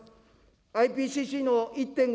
ＩＰＣＣの１．５